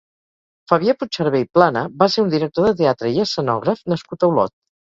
Fabià Puigserver i Plana va ser un director de teatre i escenògraf nascut a Olot.